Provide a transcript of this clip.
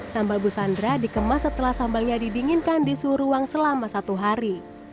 sambal busandra dikemas setelah sambalnya didinginkan di suhu ruang selama satu hari